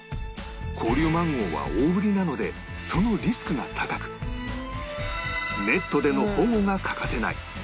紅龍マンゴーは大ぶりなのでそのリスクが高くネットでの保護が欠かせない